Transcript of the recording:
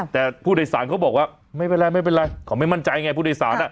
แต่ผู้โดยสารเขาบอกว่าไม่เป็นไรไม่เป็นไรเขาไม่มั่นใจไงผู้โดยสาร